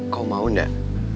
kau mau gak